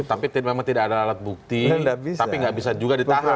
tapi memang tidak ada alat bukti tapi nggak bisa juga ditahan